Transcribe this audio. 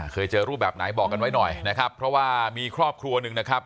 เคยเจอรูปแบบไหนบอกแล้วไหมหน่อยนะครับเพราะว่ามีครอบครัวหนึ่ง